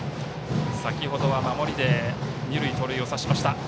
先程は守りで二塁盗塁を刺しました。